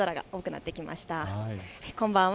こんばんは。